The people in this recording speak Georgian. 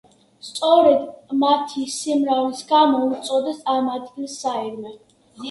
სწორედ მათი სიმრავლის გამო უწოდეს ამ ადგილს საირმე.